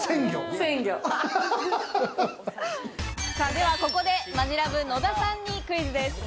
ではここで、マヂラブ・野田さんにクイズです。